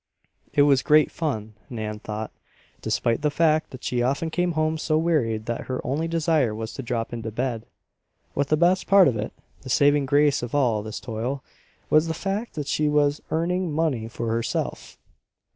It was great fun, Nan thought, despite the fact that she often came home so wearied that her only desire was to drop into bed. But the best part of it, the saving grace of all this toil, was the fact that she was earning money for herself!